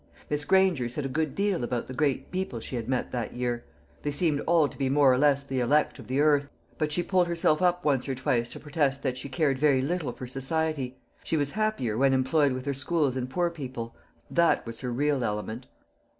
Miss Granger said a good deal about the great people she had met that year. They seemed all to be more or less the elect of the earth: but she pulled herself up once or twice to protest that she cared very little for society; she was happier when employed with her schools and poor people that was her real element.